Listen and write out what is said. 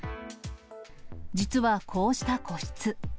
実はこうした個室。